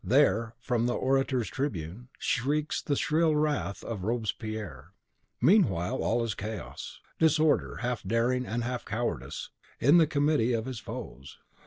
There, from the orator's tribune, shrieks the shrill wrath of Robespierre! Meanwhile all is chaos, disorder, half daring and half cowardice, in the Committee of his foes.